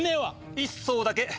１艘だけ。